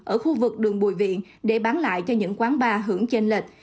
ở khu vực đường bội viện để bán lại cho những quán bar hưởng trên lệch